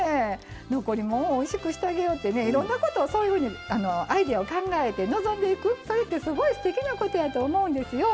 残り物をおいしくしてあげようってねいろんなことそういうふうにアイデアを考えて臨んでいくそれってすごいすてきなことやと思うんですよ。